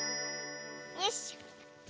よいしょ。